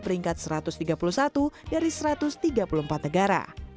peringkat satu ratus tiga puluh satu dari satu ratus tiga puluh empat negara